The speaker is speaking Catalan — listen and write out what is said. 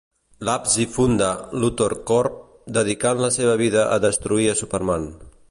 Labs i funda LuthorCorp, dedicant la seva vida a destruir a Superman.